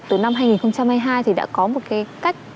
từ năm hai nghìn hai mươi hai thì đã có một cái cách